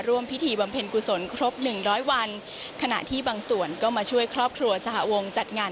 พิธีบำเพ็ญกุศลครบหนึ่งร้อยวันขณะที่บางส่วนก็มาช่วยครอบครัวสหวงจัดงาน